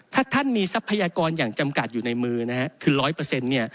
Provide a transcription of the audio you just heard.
ถ้าท่านมีทรัพยากรอย่างจำกัดอยู่ในมือนะฮะคือ๑๐๐